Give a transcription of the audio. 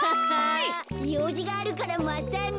ようじがあるからまたね。